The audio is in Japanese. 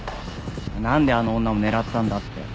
何であの女を狙ったんだって。